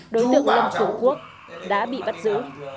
đối tượng lâm cường quốc đã bị bắt giữ